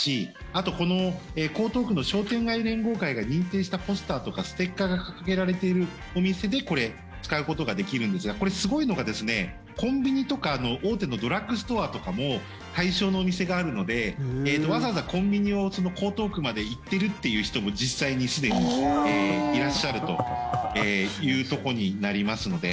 あと江東区の商店街連合会が認定したポスターとかステッカーが掲げられているお店で使うことができるんですがこれ、すごいのがコンビニとか大手のドラッグストアとかも対象のお店があるのでわざわざコンビニを江東区まで行ってるっていう人も実際にすでにいらっしゃるというところになりますので。